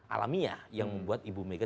alamiah yang membuat ibu mega